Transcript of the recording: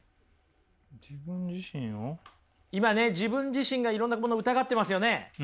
今ね自分自身がいろんなこの疑ってますよね。